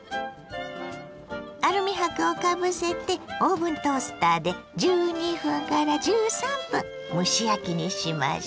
アルミ箔をかぶせてオーブントースターで１２１３分蒸し焼きにしましょ。